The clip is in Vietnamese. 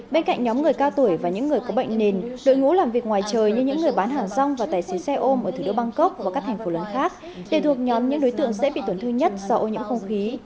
bên cạnh nhóm người cao tuổi và những người có bệnh nền đội ngũ làm việc ngoài trời như những người bán hàng rong và tài xế xe ôm ở thủ đô bangkok và các thành phố lớn khác đều thuộc nhóm những đối tượng dễ bị tổn thương nhất do ô nhiễm không khí